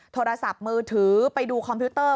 โทรศัพท์มือถือไปดูคอมพิวเตอร์